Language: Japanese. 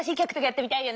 やってみたい。